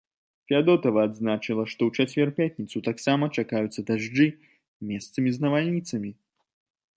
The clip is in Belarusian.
Фядотава адзначыла, што ў чацвер-пятніцу таксама чакаюцца дажджы, месцамі з навальніцамі.